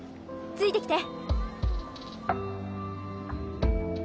ついて来て！